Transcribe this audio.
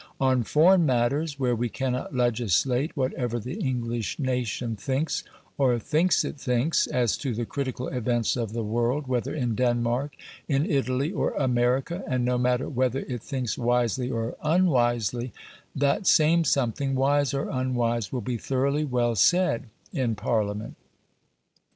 On foreign matters, where we cannot legislate, whatever the English nation thinks, or thinks it thinks, as to the critical events of the world, whether in Denmark, in Italy, or America, and no matter whether it thinks wisely or unwisely, that same something, wise or unwise, will be thoroughly well said in Parliament.